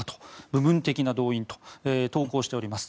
部分的な動員と投稿しております。